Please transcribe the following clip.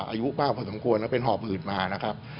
อายุมากพอสมควรแล้วเป็นหอบหืดมานะครับ